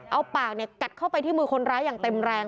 เอาปากกัดเข้าไปที่มือคนร้ายอย่างเต็มแรง